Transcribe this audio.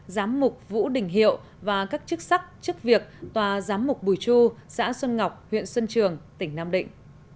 giám mục vũ đình hiệu và các chức sắc chức việc tòa giám mục bùi chu xã xuân ngọc huyện xuân trường tỉnh nam định